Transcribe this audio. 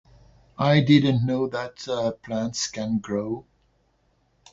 I didn't know that, uh, plants can grow.